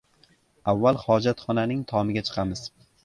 Avval hojatxonaning tomiga chiqamiz.